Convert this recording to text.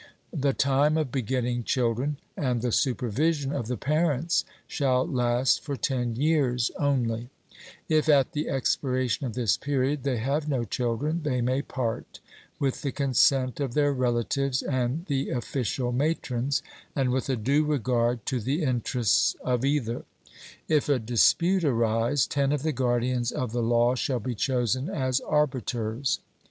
The time of begetting children and the supervision of the parents shall last for ten years only; if at the expiration of this period they have no children, they may part, with the consent of their relatives and the official matrons, and with a due regard to the interests of either; if a dispute arise, ten of the guardians of the law shall be chosen as arbiters.